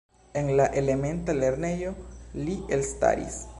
En la elementa lernejo li elstaris.